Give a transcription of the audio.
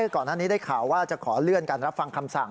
ก่อนหน้านี้ได้ข่าวว่าจะขอเลื่อนการรับฟังคำสั่ง